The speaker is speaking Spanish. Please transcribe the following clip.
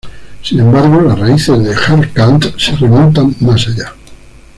Sin embargo, las raíces de Jharkhand se remontan más allá.